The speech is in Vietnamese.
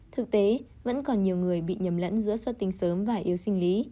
thực tế vẫn còn nhiều người bị nhầm lẫn giữa xuất tinh sớm và yếu sinh lý